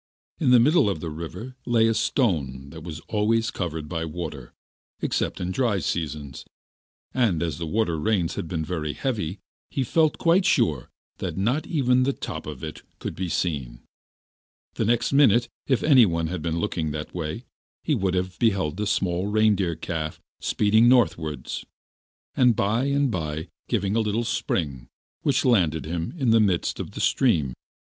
In the middle of the river lay a stone that was always covered by water, except in dry seasons, and as the winter rains had been very heavy, he felt quite sure that not even the top of it could be seen. The next minute, if anyone had been looking that way, he would have beheld a small reindeer calf speeding northwards, and by and by giving a great spring, which landed him in the midst of the stream.